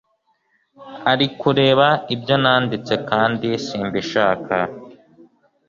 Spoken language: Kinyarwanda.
arikureba ibyo nanditse kandi simbishaka